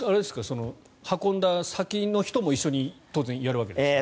運んだ先の人も当然一緒にやるわけですよね。